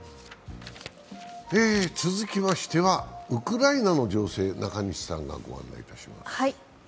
続きましては、ウクライナの情勢、中西さんがご案内いたします。